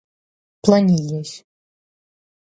planilhas